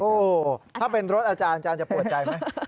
โอ้โหถ้าเป็นรถอาจารย์จะปวดใจไหม